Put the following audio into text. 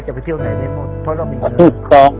จะไปเที่ยวไหนได้หมดเพราะเรามีเงิน